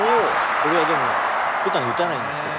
これはでもふだん打たないんですけど